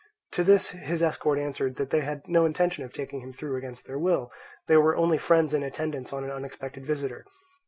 To this his escort answered that they had no intention of taking him through against their will; they were only friends in attendance on an unexpected visitor.